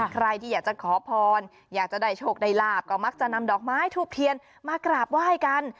ใครที่อยากจะขอพรอยากจะได้โชคได้ลาบก็มักจะนำดอกไม้ทูบเทียนมากราบไหว้กัน